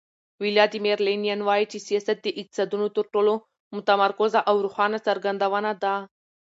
ولادیمیر لینین وایي چې سیاست د اقتصاد تر ټولو متمرکزه او روښانه څرګندونه ده.